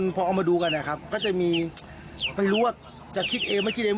พอเอามาดูกันนะครับก็จะมีไม่รู้ว่าจะคิดเองไม่คิดเอง